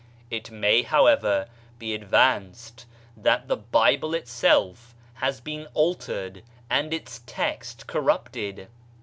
It may, however, be advanced that the Bible itself has been altered and its text corrupted.